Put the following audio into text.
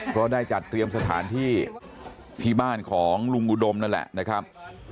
ก็ได้จัดเตรียมสถานที่ที่บ้านของลุงอุดมนั่นแหละนะครับ